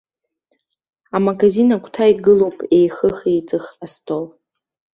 Амагазин агәҭа игылоуп еихых-еиҵых астол.